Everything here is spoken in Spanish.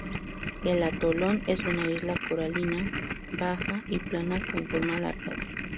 El atolón es una isla coralina baja y plana con forma alargada.